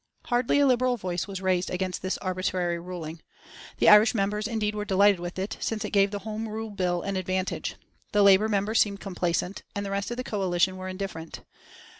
Hardly a Liberal voice was raised against this arbitrary ruling. The Irish members indeed were delighted with it, since it gave the Home Rule Bill an advantage. The Labour members seemed complacent, and the rest of the coalition were indifferent.